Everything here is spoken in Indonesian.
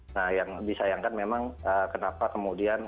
nah yang disayangkan memang kenapa kemudian